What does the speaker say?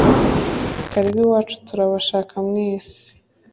karibu iwacu turabashaka mwese